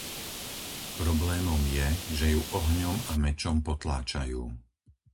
Problémom je, že ju ohňom a mečom potláčajú.